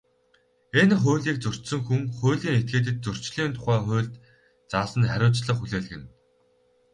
Энэ хуулийг зөрчсөн хүн, хуулийн этгээдэд Зөрчлийн тухай хуульд заасан хариуцлага хүлээлгэнэ.